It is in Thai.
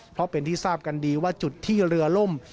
เพราะเป็นที่ทราบกันดีว่าจุดที่เรือล่ม